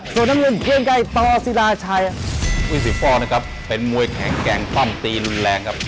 ส่วนน้ำมุมเกียงไก่ต่อสีดาชัยอุ๊ยสิวป่อนะครับเป็นมวยแข็งแกงความตีนรุนแรงครับ